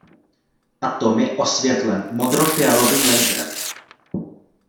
Atom je osvětlen modrofialovým laserem.